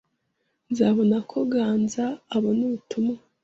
Nzabona ko Ganza abona ubutumwa.